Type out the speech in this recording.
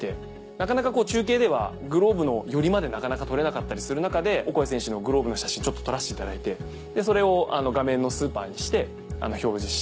なかなか中継ではグローブの寄りまで撮れなかったりする中でオコエ選手のグローブの写真ちょっと撮らせていただいてそれを画面のスーパーにして表示して。